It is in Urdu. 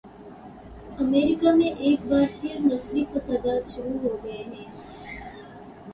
امریکہ میں ایک بار پھر نسلی فسادات شروع ہوگئے ہیں۔